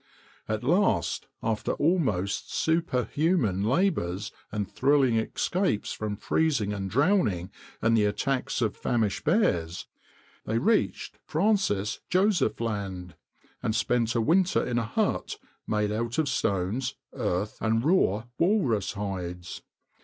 At last, after almost superhuman labors and thrilling escapes from freezing and drowning and the attacks of famished bears, they reached Francis Joseph Land, and spent a winter in a hut made out of stones, earth, and raw walrus hides.